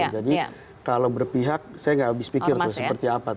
jadi kalau berpihak saya tidak habis pikir seperti apa